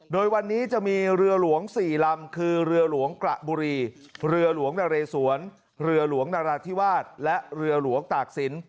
โดยวันนี้จะมีเรือหลวง๔ลำคือเรือหลวงกระบุรีเรือหลวงนเรสวนเรือหลวงนราธิวาสและเรือหลวงตากศิลป